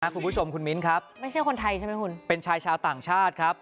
คุณผู้ชมคุณมิ้นครับไม่ใช่คนไทยใช่ไหมคุณเป็นชายชาวต่างชาติครับ